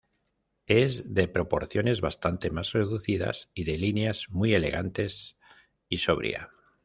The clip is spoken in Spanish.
Es de proporciones bastante más reducidas y de líneas muy elegantes y sobria.